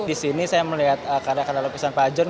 di sini saya melihat karya karya lukisan pak ajun